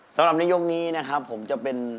สำหรับในยกนี้นะครับผมจะเป็น